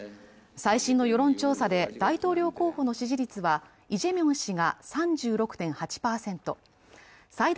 最新の世論調査で大統領候補の支持率は依然イ・ジェミョン氏が３６．８％